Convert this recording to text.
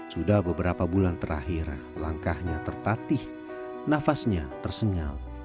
sudah beberapa bulan terakhir langkahnya tertatih nafasnya tersengal